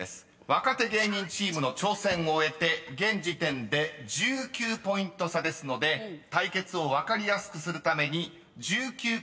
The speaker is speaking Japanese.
［若手芸人チームの挑戦を終えて現時点で１９ポイント差ですので対決を分かりやすくするために１９個分の風船を割ります］